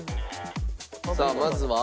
さあまずは。